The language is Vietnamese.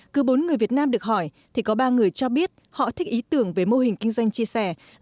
cứ bốn người việt nam được hỏi thì có ba người cho biết họ thích ý tưởng về mô hình kinh doanh chia sẻ